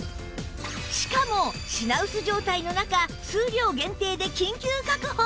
しかも品薄状態の中数量限定で緊急確保！